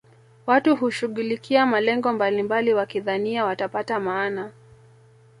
watu hushughulikia malengo mbalimbali wakidhania watapata maana